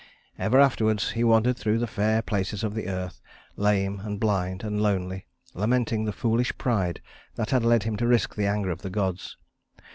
Ever afterwards he wandered through the fair places of the earth, lame and blind and lonely, lamenting the foolish pride that had led him to risk the anger of the gods.